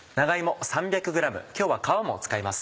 今日は皮も使います。